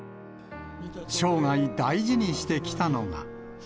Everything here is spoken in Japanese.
生涯、大事にしてきたのが。